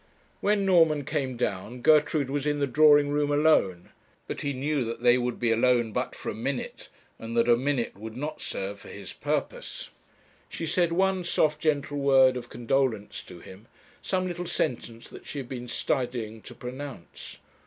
When Norman came down, Gertrude was in the drawing room alone. But he knew that they would be alone but for a minute, and that a minute would not serve for his purpose. She said one soft gentle word of condolence to him, some little sentence that she had been studying to pronounce.